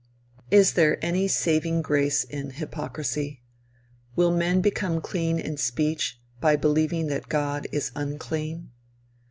Is there any saving grace in hypocrisy? Will men become clean in speech by believing that God is unclean?